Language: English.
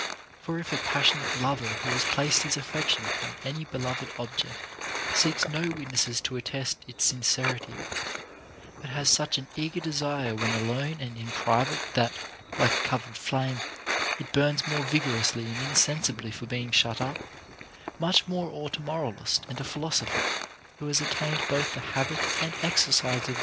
For if a passionate lover who has placed his affection upon any beloved object seeks no witnesses to attest its sincerity, but has such an eager desire when alone and in private, that, like a covered flame, it burns more vigor ously and insensibly for being shut up ; much more ought a moralist and a philosopher who has attained both the habit and exercise of.